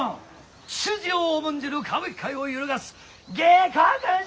血筋を重んじる歌舞伎界を揺るがす下克上だ！